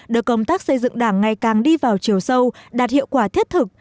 đưa công tác xây dựng đảng ngày càng đi vào chiều sâu đạt hiệu quả thiết thực